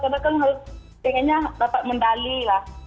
karena kan harus pengennya dapat mendali lah